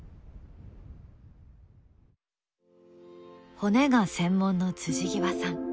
骨が専門の極さん